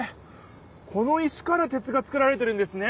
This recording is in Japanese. この石から鉄が作られてるんですね！